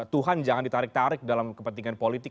tuhan jangan ditarik tarik dalam kepentingan politik